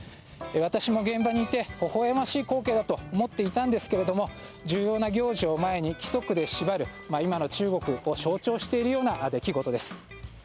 私も現場にいてほほえましい光景だと思っていたんですが重要な行事を前に規則で縛る今の中国を象徴しているような出来事です。